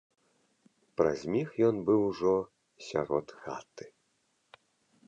Праз міг ён быў ужо сярод хаты.